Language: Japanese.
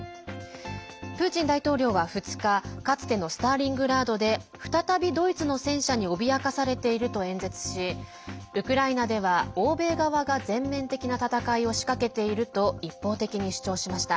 プーチン大統領は２日かつてのスターリングラードで再びドイツの戦車に脅かされていると演説しウクライナでは、欧米側が全面的な戦いを仕掛けていると一方的に主張しました。